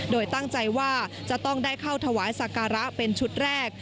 โดยตั้งใจว่าจะต้องได้เข้าถวายสักการะเป็นชุดแรก